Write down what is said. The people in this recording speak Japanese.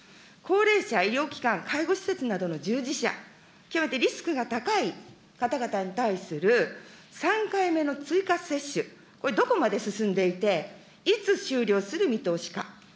高齢者、医療機関、介護施設などの従事者、極めてリスクが高い方々に対する３回目の追加接種、これ、どこまで進んでいて、いつ終了する見通しか。